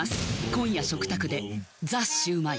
今夜食卓で「ザ★シュウマイ」